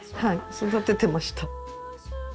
育ててました。